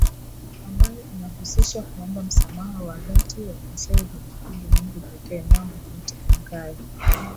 ambayo inahusisha kuomba msamaha wa dhatiWamasai humwabudu Mungu pekee nao humwita Enkai au